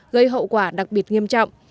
gây hậu quả đặc biệt nghiêm trọng